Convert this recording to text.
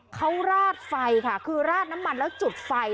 เขาราดไฟค่ะคือราดน้ำมันแล้วจุดไฟ